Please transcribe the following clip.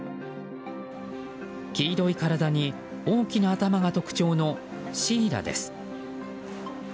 黄色い体に大きな頭が特徴のシイラです。